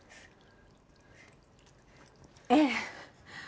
ええ。